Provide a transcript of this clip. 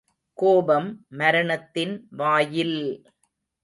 கோபம் மரணத்தின் வாயில்!